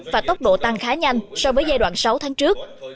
và tốc độ tăng khá nhanh so với giai đoạn sáu tháng trước